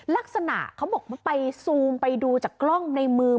ลักษณะเขาบอกมันไปซูมไปดูจากกล้องในมือ